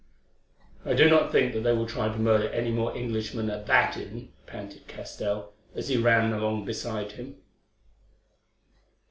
"I do not think that they will try to murder any more Englishmen at that inn," panted Castell, as he ran along beside him.